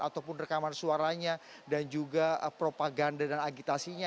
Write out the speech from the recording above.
ataupun rekaman suaranya dan juga propaganda dan agitasinya